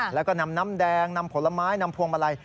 แล้วก็นำน้ำแดงนำผลไม้นำพวงมาลัย